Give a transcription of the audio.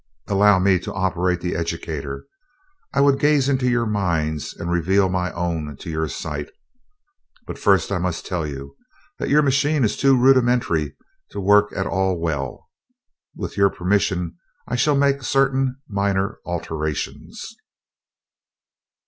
Allow me to operate the educator I would gaze into your minds and reveal my own to your sight. But first I must tell you that your machine is too rudimentary to work at all well, and with your permission I shall make certain minor alterations."